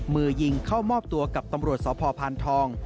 มือยิงเข้ามอบตัวกับตำรวจสพพานทอง